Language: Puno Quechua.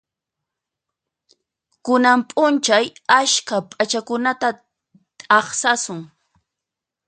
Kunan p'unchay askha p'achakunata t'aqsasun.